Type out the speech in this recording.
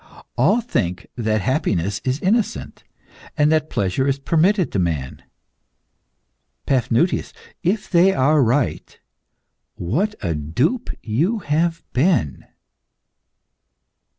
All think that happiness is innocent, and that pleasure is permitted to man. Paphnutius, if they are right, what a dupe you have been!"